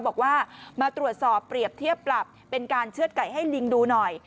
บอกว่ามาตรวจสอบเปรียบเทียบปรับเป็นการเชื่อดไก่ให้ลิงดูหน่อย